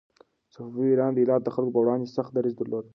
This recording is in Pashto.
صفوي ایران د هرات د خلکو پر وړاندې سخت دريځ درلود.